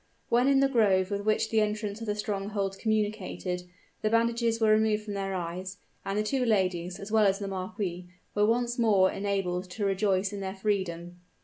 When in the grove with which the entrance of the stronghold communicated, the bandages were removed from their eyes, and the two ladies, as well as the marquis, were once more enabled to rejoice in their freedom.